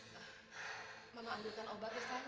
mama ambilkan obatnya santi